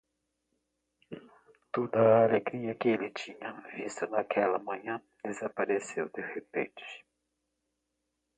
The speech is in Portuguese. Toda a alegria que ele tinha visto naquela manhã desapareceu de repente.